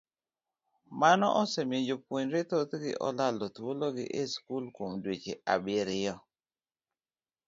Mano osemiyo jopuonjre thothgi olalo thuologi e skul kuom dweche abiriyo.